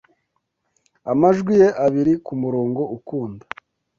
amajwi ye abiri kumurongo ukunda